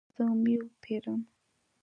زه میوه پیرم